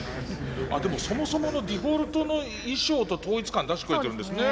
あでもそもそものデフォルトの衣装と統一感出してくれてるんですね。